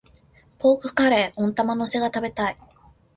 ポークカレー、温玉乗せが食べたい。